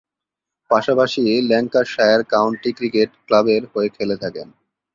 পাশাপাশি Lancashire county cricket ক্লাবের হয়ে খেলে থাকেন।